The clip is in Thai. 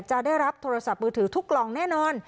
จะได้รับโทรศัพท์มือถือทุกกล่องแน่นอน